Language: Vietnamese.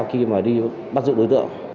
khi mà đi bắt dự đối tượng